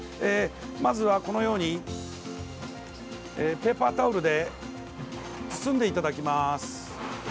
まずは、このようにペーパータオルで包んでいただきます。